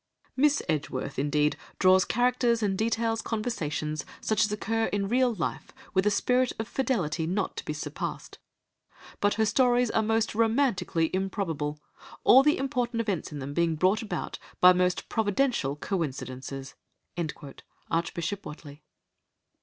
"Miss Edgeworth indeed draws characters and details conversations such as occur in real life with a spirit of fidelity not to be surpassed; but her stories are most romantically improbable, all the important events in them being brought about by most providential coincidences." (Archbishop Whateley.)